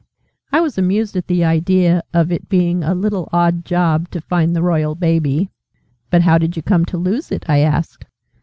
I was amused at the idea of its being a 'little odd job' to find the Royal Baby. "But how did you come to lose it?" I asked.